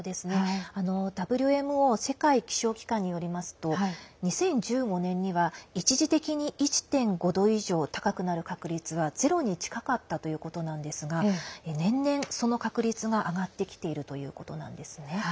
ＷＭＯ＝世界気象機関によりますと、２０１５年には一時的に１．５度以上高くなる確率はゼロに近かったということですが年々、その確率が上がってきているということです。